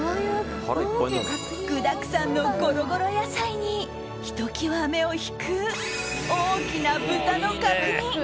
具だくさんのごろごろ野菜にひときわ目を引く大きな豚の角煮。